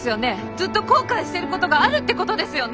ずっと後悔してることがあるってことですよね？